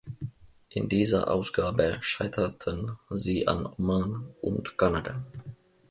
In dieser Ausgabe scheiterten sie an Oman und Kanada.